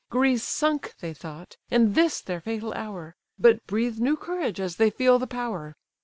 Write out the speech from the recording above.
Greece sunk they thought, and this their fatal hour; But breathe new courage as they feel the power.